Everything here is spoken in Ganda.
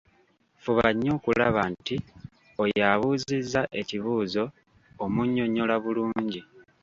Fuba nnyo okulaba nti oyo abuuzizza ekibuuzo omunnyonnyola bulungi.